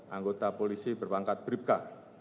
anggota polisi berpangkat bripka